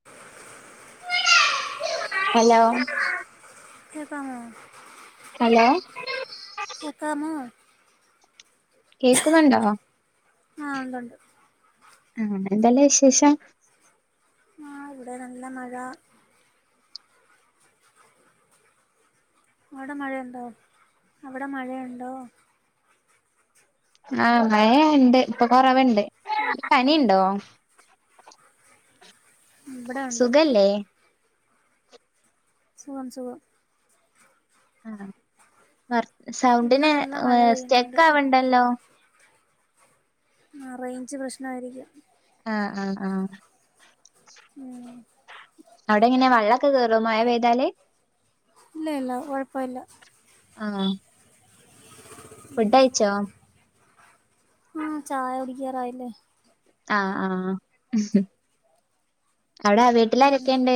ളം. ഹലോ. കേക്കാമോ ഹലോ. കേക്കാമോ? കേക്കുന്നൊണ്ടോ ആ ഉണ്ടുണ്ട് ആഹ് എന്തെല്ലാ വിശേഷം? ആഹ് ഇവിടെ നല്ല മഴാ അവിടെ മഴയൊണ്ടോ അവിടെ മഴയൊണ്ടോ? ആഹ് മഴ ഇണ്ട് ഇപ്പൊ കൊറവ്ണ്ട് പനിണ്ടോ? ഇവിടെ ഉണ്ട് സുഖല്ലേ? സുഖം സുഖം ആഹ് വർ ഇവിടെ സൗണ്ടിന് നല്ല മഴ ഏഹ് പെയ്യുന്നുണ്ട് സ്റ്റെക്കാവ്ണ്ടല്ലോ. ആഹ് റേയ്ഞ്ച് പ്രശ്നായിരിക്കും. ആഹ് ആഹ് ആഹ് ഉം. അവിടെ എങ്ങനെയാ വെള്ളൊക്കെ കേറോ മഴ പെയ്താല്? ഇല്ല യില്ല കൊഴപ്പോല്ല. ആഹ്. ആ. ഫുഡയ്ച്ചോ? ആഹ് ചായുടിക്കറായില്ലേ? ആഹ് ആഹ് അവടെ വീട്ടിലാരെക്കെണ്ട്?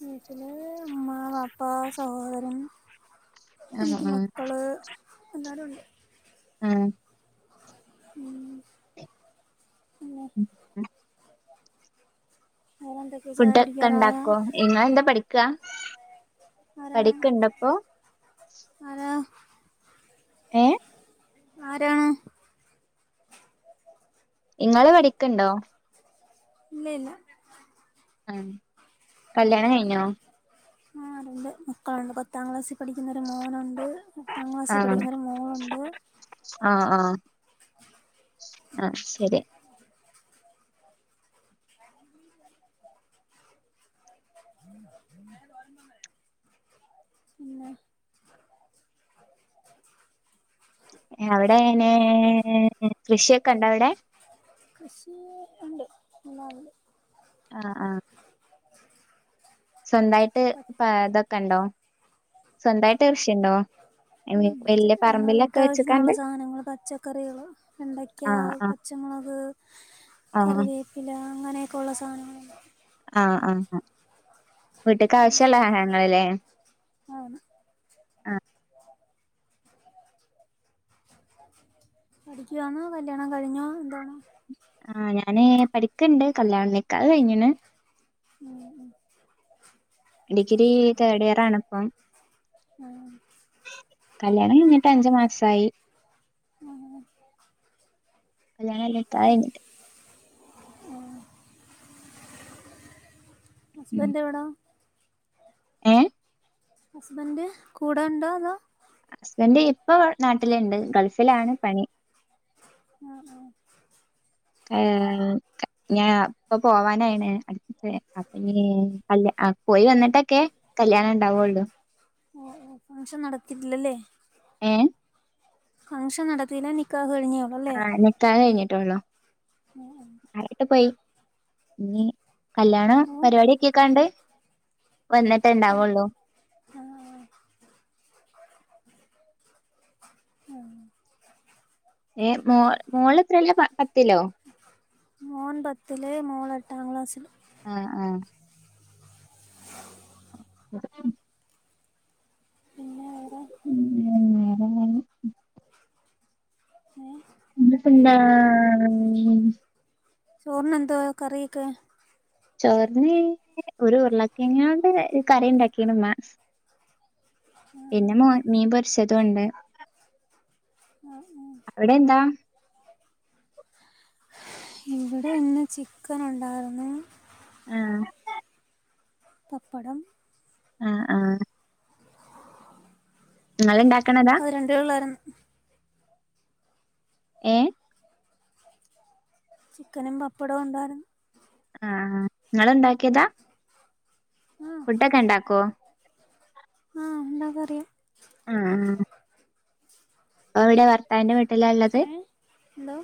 വീട്ട്ല് ഇമ്മ, ബാപ്പാ, സഹോദരൻ. ആ എനിക്ക് ആ മക്കള് എല്ലാരുണ്ട്. ഉം ഉം. പിന്നെ ഉം വേറെന്തെക്കെ ചായുടിക്കാറായ? ഇങ്ങളെന്താ പഠിക്ക? ആരാണ് ആരാ? ഏഹ്? ആരാണ്? ഇങ്ങള് പഠിക്ക്ണ്ടോ? ഇല്ലയില്ല. ഉം കല്യാണം കഴിഞ്ഞോ? ആഹ് രണ്ട് മക്കള്ണ്ട്. പ ത്താം ക്ലാസ്സി പഠിക്കുന്നൊരു മോനുണ്ട്. എട്ടാം ക്ലാസ്സിൽ പഠിക്കുന്നൊരു മോള്ണ്ട്. ആഹ് ആഹ്‌ അത് ശെരി. പിന്നെ അവടെങ്ങനെ കൃഷ്യൊക്കെണ്ടവടെ? കൃഷി ഇണ്ട്. എല്ലാരുണ്ട്. ആഹ് ആഹ് സ്വന്തായിട്ട് പാ തൊക്കെണ്ടോ സ്വന്തായിട്ട് കൃഷിണ്ടോ? [unintelligible] [unintelligible] നമ്മളെ വീട്ടാവശ്യത്തിനൊള്ള സാധനങ്ങള് പച്ചക്കറികള് വെണ്ടയ്ക്ക, ആഹ് പച്ചമുളക്, ആഹ് കറിവേ പ്പില അങ്ങനെക്കൊള്ള സാനങ്ങള് ആഹ് ആഹ് ആഹ് വീട്ട്ക്കാവശ്യള്ള സാനങ്ങള്ല്ലേ. ആന്ന്. പഠിക്ക്യുവാന്നോ കല്ല്യാണം കഴിഞ്ഞോ എന്താണ്? ആഹ് ഞാന് പഠിക്ക്ണ്ട് കല്യാണ നിക്കാഹ് കഴിഞ്ഞ്ണ്. ഉം ഉം ഡിഗ്രി തേർഡിയറാണിപ്പം. ഉം കല്ല്യാണം കഴിഞ്ഞിട്ട് അഞ്ച് മാസായി. ഉം ഉം കല്യാണല്ല നിക്കാഹയ്ഞ്ഞ്ട്ട്. ഉം ഹസ്ബൻഡെവടാ? ഏഹ്? ഹസ്ബൻഡ് കൂടെ ഉണ്ടോ അതോ? ഹസ്ബൻഡ് ഇപ്പൊ നാട്ടിലുണ്ട് ഗൾഫിലാണ് പണി ഉം ഉം ഏഹ് ഞാൻ ഇപ്പൊ പോവാനായിണ് അപ്പം പോയി വന്നിട്ടൊക്കെ കല്യാണം ഉണ്ടാവുള്ളൂ ഓഹ് ഓഹ് ഫങ്ങ്ഷൻ നടത്തിട്ടില്ലല്ലേ ഏഹ് ഫംഗ്ഷൻ നടത്തിനോ നിക്കാഹ് കഴിഞ്ഞോ ആഹ് നിക്കാഹ് കഴിഞ്ഞിട്ടോള്ളൂ ഉം ഉം മെഹറിട്ട് പോയി ഇനി കല്യാണം ഓ പരിപാടി ഒക്കെയെക്കാണ്ട് വന്നിട്ടെ ഉണ്ടാവുള്ളൂ ആഹ് ഏഹ് മോളെത്രേലാ പത്തിലോ മോൻ പത്തില് മോള് എട്ടാം ക്ലാസില് ആഹ് ആഹ് [inaudible] പിന്നെ വേറെ ഉം ഉം നേരന്നെ ഏഹ് നമ്മളിപ്പെന്താ ചോറിനെന്തുവാ കറിയൊക്കെ? ചോറിന്ന് ഒരു ഉരുളക്കെങ്ങോണ്ട് കറി ഉണ്ടാക്കീണ് മ്മ പിന്നെ മോ മീൻ പൊരിച്ചതൊണ്ട് ആഹ് ആഹ് അവിടെ എന്താ ഇവിടെ ഇന്ന് ചിക്കൻ ഉണ്ടായിരുന്നു ആഹ് പപ്പടം ആഹ് ആഹ് നിങ്ങൾ ഉണ്ടാക്കണതാ രണ്ട് പിള്ളേരാന്നു ഏഹ് ചിക്കനും പപ്പടവും ഉണ്ടായിരുന്നു ആഹ് നിങ്ങൾ ഉണ്ടാക്കിയതാ ആ ഫുഡൊക്കെ ഉണ്ടാക്കോ ആ ഉണ്ടാക്കാൻ അറിയാം ആഹ് എവിടെ ഭർത്താവിന്റെ വീട്ടിലാ ഉള്ളത് ഏ എന്തോ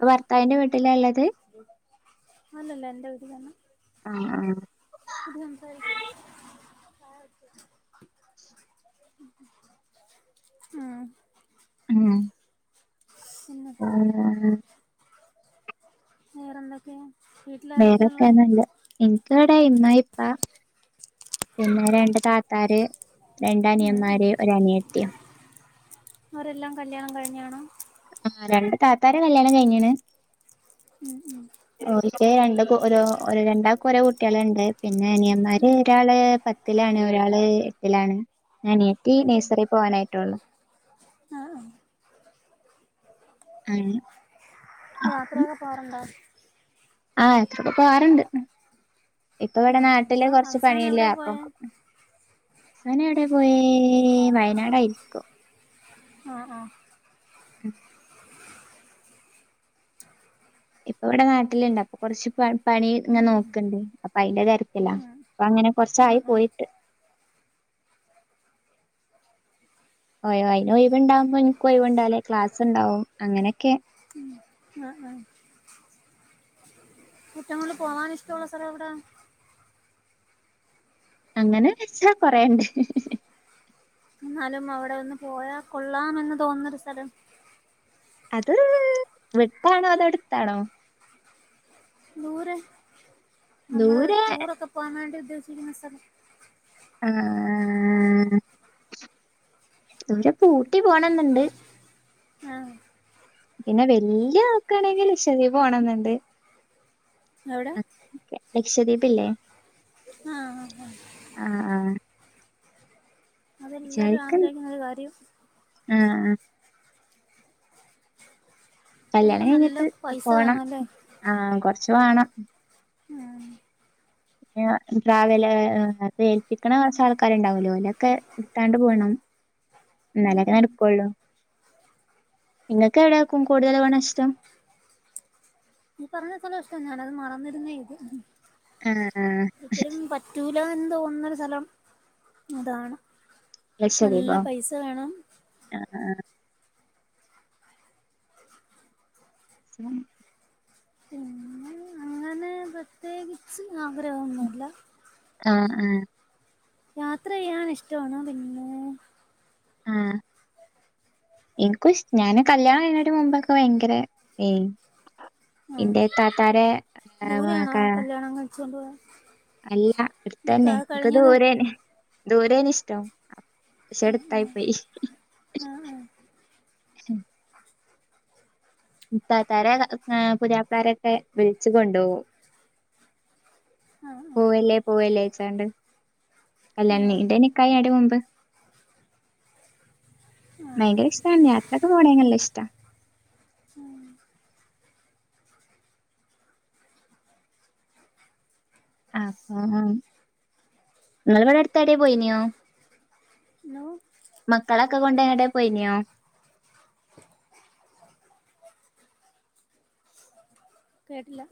ഇപ്പം ഭർത്താവിന്റെ വീട്ടിലാ ഉള്ളത് അല്ലല്ലാ എന്റെ വീട്ടിൽത്തന്നെ ആഹ് ആഹ് ഇത് സംസാരിക്ക് ചായകുടിച്ചോ ആഹ് ഉം പിന്നെ ഉം വേറെ എന്തൊക്കെ വേറൊക്കെ നല്ലത് ഇനിക്ക് ഇവിടെ ഇമ്മ ഇപ്പ പിന്നെ രണ്ട് താത്താര് രണ്ട് ഉം ഉം അനിയന്മാര് ഒര് അനിയത്തിം അവരെല്ലാം കല്യാണം കഴിഞ്ഞാണോ ആഹ് രണ്ട് താത്താരെ കല്യാണം കഴിഞ്ഞ്ണ് ഉം ഉം ഓൽക്ക് രണ്ട് ഓരോ രണ്ടാക്കും ഓരോ കുട്ട്യാള്ണ്ട് പിന്നെ അനിയന്മാര് ഉം ഒരാള് പത്തിലാണ് ഒരാള് എട്ടിലാണ് അനീയത്തി ഉം ഉം നഴ്സറി പോവാനായിട്ടുള്ളൂ ആഹ് ആഹ് ആണ് യാത്രയൊക്കെ പോവാറുണ്ടോ ആഹ് യാത്രയൊക്കെ പോവാറുണ്ട് ഇപ്പ ഇവിടെ ആഹ് നാട്ടില് ഇപ്പൊ കൊറച്ച് അവസാനം പണിലാ എവിടെ അപ്പൊ പോയേ അവസാനം എവിടെ പോയേ വയനാടായിരിക്കും ആഹ് ആഹ് ഉം ഇപ്പൊ ഇവിടെ നാട്ടിലുണ്ട് അപ്പൊ കൊറച്ച് പണി ഇങ്ങനെ നോക്കണ്ട് അപ്പൊ അയിന്റെ തിരക്കിലാ ഉം അപ്പൊ അങ്ങനെ കൊറച്ചായി ആഹ് ആഹ് പോയിട്ട് അയിന് ഒഴിവ്ണ്ടാവുമ്പോ ഇനിക്ക് ഒഴിവുണ്ടാവില ക്ലാസ് ഇണ്ടാവും അങ്ങനെയൊക്കെ ആഹ് ആഹ് ഏറ്റവും കൂടുതൽ പോവാൻ ഇഷ്ടമുള്ള സ്ഥലം എവിടാ അങ്ങനെ ചോയിച്ചാ കൊറേണ്ട് എന്നാലും അവിടെ ഒന്ന് പോയാൽ കൊള്ളാമെന്ന് തോന്നുന്നൊരു സ്ഥലം അത് വിട്ടാണോ അതോ അടുത്താണോ ദൂരെ നമ്മള് ദൂരെ ടൂറൊക്കെ പോവാൻ വേണ്ടി ഉദ്ദേശിക്കുന്ന സ്ഥലം ആഹ് ദൂരെ ഇപ്പൊ ഊട്ടി പോണന്ന്ണ്ട് ആഹ് പിന്നെ വല്യ നോക്കാണെങ്കിൽ ലക്ഷദ്വീപ് പോണംന്ന്ണ്ട് എവിടെ ലക്ഷദ്വീപ് ഇല്ലേ ആഹ് ആഹ് ആഹ് ആഹ് അതെല്ലാരും ആഗ്രഹിക്കുന്ന ഒരു കാര്യം ആഹ് ആഹ് കല്യാണം അതിനൊക്കെ നല്ല കഴിഞ്ഞിട്ട് പൈസ പോണം വേണം അല്ലേ ആഹ് കൊറച്ച് വേണം ഉം ട്രാവല് അത് ഏൽപ്പിക്കണ കുറച്ച് ആൾക്കാരുണ്ടാവല്ലോ ഓലൊക്കെ ഇട്ത്താണ്ട് പോണം ഉം ഇന്നാലൊക്കെ ഉം നടക്കൊള്ളൂ ഇങ്ങക്ക് എവിടെ ക്കൂ കൂടുതൽ പോണെ ഇഷ്ടം ഈ പറഞ്ഞ സ്ഥലം ഇഷ്ട ഞാനത് മറന്നിരുന്ന ഇത് ആഹ് ആഹ് ഒരിക്കലും പറ്റൂല എന്ന് തോന്നുന്നൊരു സ്ഥലം അതാണ് നല്ല ലക്ഷദ്വീപോ പൈസ വേണം ആഹ് ആഹ് ഉം പിന്നെ അങ്ങനെ പ്രത്യേകിച്ച് ആഗ്രഹമൊന്നുല്ല ആഹ് ആഹ് യാത്ര ചെയ്യാൻ ഇഷ്ട്ടാണ് പിന്നെ ആഹ്, ഇന്ക്കും ഷ് ഞാന് കല്യാണം കയ്ഞ്ഞിട്ട് മുമ്പൊക്കെ ഭയങ്കര ഏയ് ഇന്റെ താത്താരെ, ദൂരെയാണോ കല്യാണം കഴിച്ചോണ്ട് പോവാ? അല്ല ഇടുത്തന്നെ ക്ക് ദൂരെണ്, ദൂരേണ് ഇഷ്ടം പക്ഷെടുത്തായി പോയി, ആ ആ ഇത്താത്താരെ പുതിയാപ്ലാരൊക്കെ വിളിച്ച് കൊണ്ടോവും, ആ ആ പോവല്ലേ പോവല്ലേ ഓയ്ച്ചാണ്ട്, ആ കല്യാണ ഇന്റെ നിക്കാഹ് ഇന്റെ മുമ്പ് ഭയങ്കര ഇഷ്ടാണ് യാത്രകെ പോണെനല്ല ഇഷ്ട, ഊ ആഹാ, നിങ്ങൾവിടെ അടുത്തേടോ പോയിനോ? ലോ, മക്കളൊക്കെ കൊണ്ട് എങ്ങട്ടോ പോയിനോ? കേട്ടില,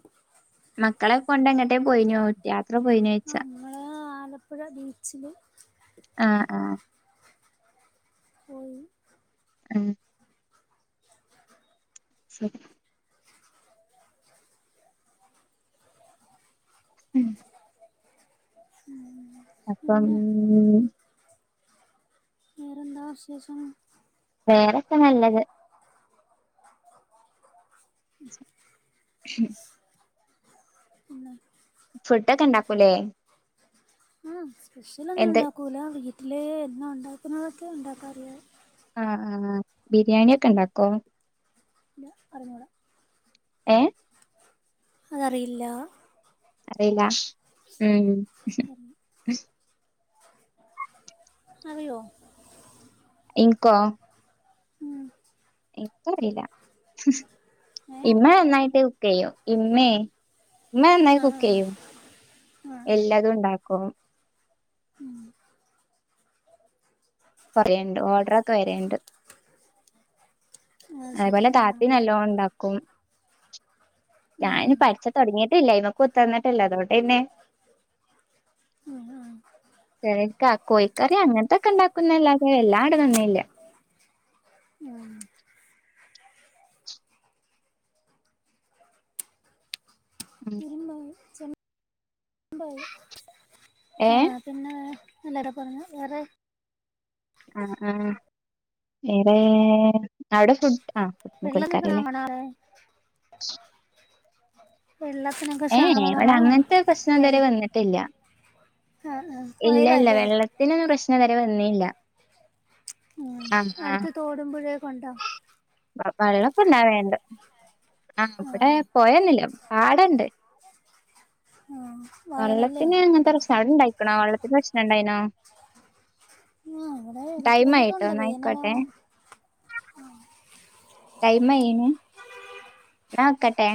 മക്കളെ കൊണ്ടങ്ങട്ടോ പോയിനോ യാത്ര പോയിനൊയ്ച്ചാ, ങ്ങളാ, ആലപ്പുഴ ബീച്ചില്, ആഹ് ആഹ്, പോയി, ഇമ് ശെരി, ഉം അപ്പം, പിന്നെ ന്താ വിശേഷം, വേറൊക്കെ നല്ലത്, ഹും, പിന്നെ ഫുഡ് ഒക്കെ ഇണ്ടാക്കൂല്ലേ? ആഹ് സ്പെഷ്യലൊന്നും എന്ത് ഉണ്ടാക്കൂല്ല വീട്ടില് എന്നു ഉണ്ടാക്കുന്നതൊക്കെ ഉണ്ടാക്കാറൊള്ളു ആഹ് ആഹ്, ബിരിയാണിയൊക്കെ ഉണ്ടാക്കോ? അർഞ്ഞൂട. ഏഹ് അതറിയില്ല അറിയില്ല ഉം അറിയോ ഇൻക്കോ ഉം ഇൻക്കറില്ല ഏഹ് ഇമ്മ നന്നായിട്ട് കുക്ക് യ്യും ഇമ്മീം ഇമ്മ നന്നായി ആഹ് കുക്ക് യ്യും ആഹ് ആഹ് എല്ലാതും ഇണ്ടാക്കും കൊറേണ്ട് ഓർഡറൊക്കെ വരേണ്ട് ആഹ് അത് ശരി അതേപോലെ ആഹ് താത്തി നല്ലോണം ഇണ്ടാക്കും ഞാൻ ഇനി ആഹ് പഠിച്ച് തൊടങ്ങിട്ടില്ല അയ്മക്ക് കുത്തർന്നിട്ടില്ല അതോണ്ട് പിന്നെ ആഹ് ആഹ് ചരിക്ക കോഴിക്കറി അങ്ങൻത്തതൊക്കെ ഇണ്ടാക്കുന്നല്ലാതെ എല്ലാടെ നിന്നില്ല ആഹ് [inaudible] ഇരുമ്പായി ഏഹ് ആഹ് പിന്നെ എല്ലാരൊക്കൊറങ്ങ വേറെ ആ ആ വേറെ അവടെ ഫുഡ് ആ [unintelligible] നാളെ എല്ലാത്തിനും ഏ ഏ ഇവടെ അങ്ങൻത്തെ പ്രശ്നം ഇത് വെരെ വെന്ന്ട്ടില്ല ആഹ് ആഹ് ഇല്ലല്ല വയലാല്ലേ വെള്ളത്തിനൊന്നും പ്രശ്നം ഇത് വെരെ വെന്നില്ല ഉം അടുത്ത് തോടും പുഴയൊക്കൊണ്ടോ വെള്ളൊക്കെ ഇണ്ടാവേണ്ട് ആഹ് ഇവടെ പൊഴെന്നുല്ല പാടണ്ട് ആഹ് വയലല്ലേ വെള്ളത്തിന് അങ്ങൻത്തെ പ്രശ് അവടെണ്ടായിക്ക്ണോ വെള്ളത്തിന്റെ പ്രശ്നണ്ടായിനോ ആ ഇവിടെ ഇടയ്ക്കിടയ്ക്കൊക്കെ ടൈമായിട്ടോ ഉണ്ട് ന്നയ്ക്കോട്ടെ വേനലാകും ടൈമ ഇയ്ന് ന്നാ വെക്കട്ടെ